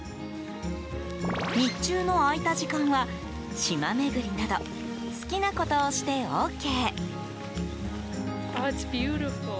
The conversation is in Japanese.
日中の空いた時間は、島巡りなど好きなことをしてＯＫ。